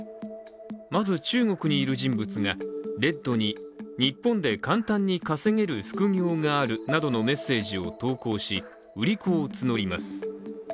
まず、中国にいる人物がＲＥＤに日本で簡単に稼げる副業があるなどのメッセージを投稿し売り子を募ります。